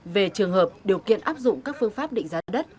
về trường hợp điều kiện áp dụng các phương pháp định giá đất